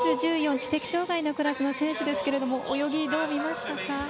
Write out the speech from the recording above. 知的障がいのクラスの選手ですけれども泳ぎはどう見ましたか。